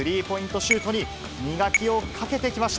シュートに磨きをかけてきました。